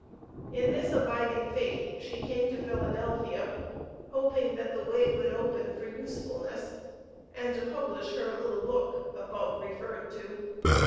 In this abiding faith she came to Philadelphia, hoping that the way would open for usefulness, and to publish her little book (above referred to).